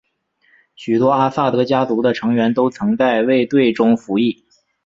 许多阿萨德家族的成员都曾在卫队中服役。